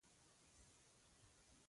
اصلي ښایست او ښکلا په ښه توب کې نغښتې ده.